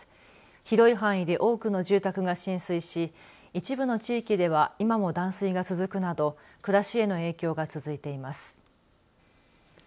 広い範囲で多くの住宅が浸水し一部の地域では今も断水が続くなど暮らしへの影響が続いています。